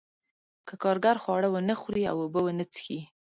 که کارګر خواړه ونه خوري او اوبه ونه څښي